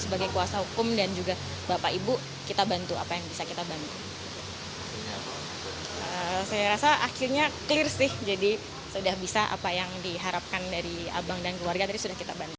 saya rasa akhirnya clear sih jadi sudah bisa apa yang diharapkan dari abang dan keluarga tadi sudah kita bantu